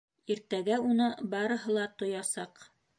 Иртәгә уны барыһы ла тоясаҡ.